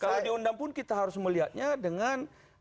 kalau diundang pun kita harus melihatnya dengan